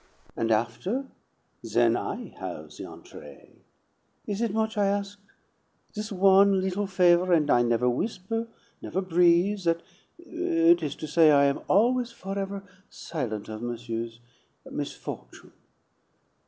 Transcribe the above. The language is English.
And after then I have the entree. Is it much I ask? This one little favor, and I never w'isper, never breathe that it is to say, I am always forever silent of monsieur's misfortune."